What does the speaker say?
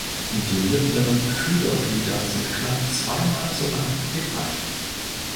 Die mittleren Fühlerglieder sind knapp zweimal so lang wie breit.